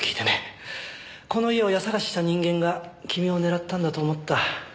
この家を家捜しした人間が君を狙ったんだと思った。